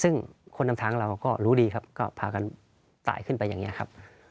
ซึ่งคนนำทางเราก็รู้ดีครับก็พากันตายขึ้นไปอย่างนี้ครับ